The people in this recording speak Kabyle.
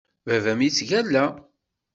Baba-m yettgalla.